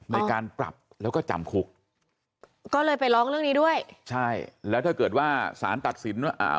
ในการปรับแล้วก็จำคุกก็เลยไปร้องเรื่องนี้ด้วยใช่แล้วถ้าเกิดว่าสารตัดสินว่าอ่า